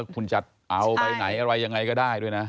คุณจะเอาไปไหนอะไรยังไงก็ได้ด้วยนะ